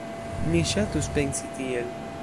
Mi ŝatus pensi tiel.